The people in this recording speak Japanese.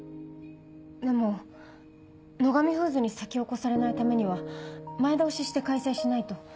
でも野上フーズに先を越されないためには前倒しして開催しないと。